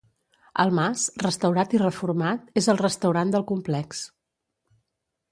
El mas, restaurat i reformat, és el restaurant del complex.